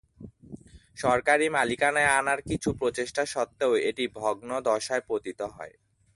সরকারি মালিকানায় আনার কিছু প্রচেষ্টা সত্ত্বেও এটি ভগ্নদশায় পতিত হয়।